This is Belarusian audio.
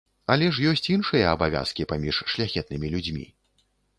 Але ж ёсць іншыя абавязкі паміж шляхетнымі людзьмі.